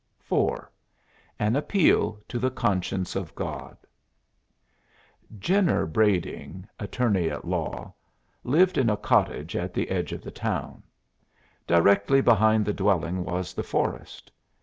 IV AN APPEAL TO THE CONSCIENCE OF GOD Jenner Brading, attorney at law, lived in a cottage at the edge of the town. Directly behind the dwelling was the forest.